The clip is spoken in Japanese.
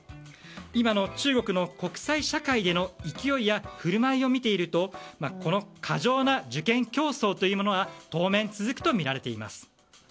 今の中国の国際社会への勢いや振る舞いを見ているとこの過剰な受験競争というものは当面、続くとみられています。